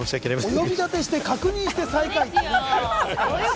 お呼び立てして、確認して、最下位。